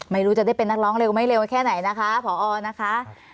ไม่รู้จะได้เป็นนักร้องเร็วไม่เร็วแค่ไหนนะคะผอนะคะ